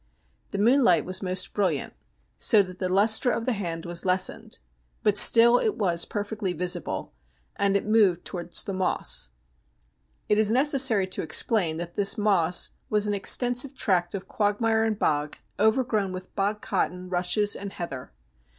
The moonlight was most brilliant, so that the lustre of the hand was lessened ; but still it was perfectly visible, and it moved towards the Moss. It is necessary to explain that this Moss was an extensive tract of quagmire and bog, over grown with bog cotton, rushes, and heather.